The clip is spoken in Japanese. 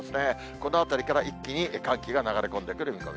このあたりから一気に寒気が流れ込んでくる見込み。